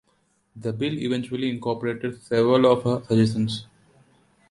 The bill eventually incorporated several of her suggestions.